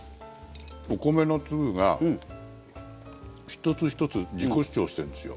お米の粒が１つ１つ自己主張してるんですよ。